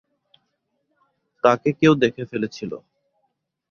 তাকে কেউ দেখে ফেলেছিলো।